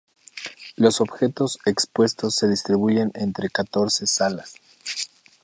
Los objetos expuestos se distribuyen entre catorce salas.